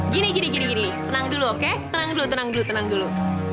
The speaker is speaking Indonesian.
gini gini tenang dulu oke tenang dulu tenang dulu tenang dulu